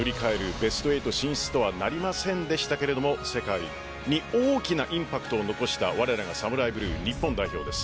ベスト８進出とはなりませんでしたが世界に大きなインパクトを残したわれらがＳＡＭＵＲＡＩＢＬＵＥ日本代表です。